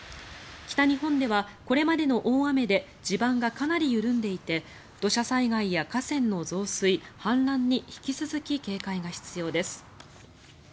北日本ではこれまでの大雨で地盤がかなり緩んでいて土砂災害や河川の増水、氾濫に引き続き警戒が必要です。